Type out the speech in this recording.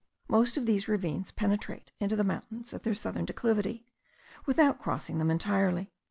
Most of these ravines penetrate into the mountains at their southern declivity, without crossing them entirely.